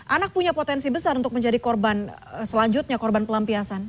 anak punya potensi besar untuk menjadi korban selanjutnya korban pelampiasan